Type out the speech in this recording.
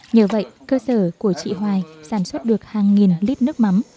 nhờ vậy cơ sở của chị hoài sản xuất được hàng nghìn lít nước mắm